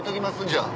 じゃあ。